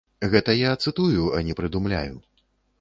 Гэта я цытую, а не прыдумляю.